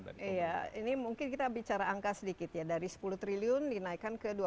iya ini mungkin kita bicara angka sedikit ya dari sepuluh triliun dinaikkan ke dua puluh